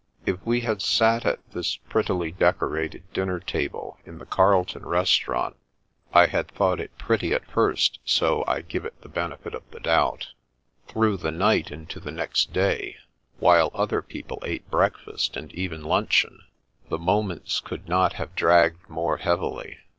If we had sat at this pret tily decorated dinner table in the Carlton restaurant (I had thought it pretty at first, so I give it the bene fit of the doubt) through the night into the next day, while other people ate breakfast and even luncheon, the moments could not have dragged more heavily.